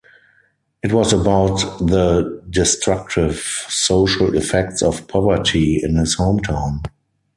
It was about the destructive social effects of poverty in his home town.